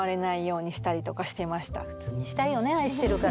普通にしたいよね愛してるから。